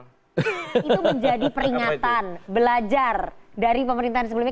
nah itu menjadi peringatan belajar dari pemerintahan sebelumnya